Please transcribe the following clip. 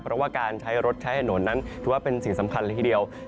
เพราะว่าการใช้รถใช้ถนนนั้นถือว่าเป็นสิ่งสำคัญเลยทีเดียว